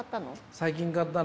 最近買ったの。